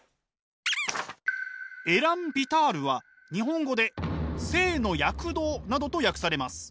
エラン・ヴィタールは日本語で「生の躍動」などと訳されます。